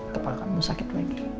kepala kamu sakit lagi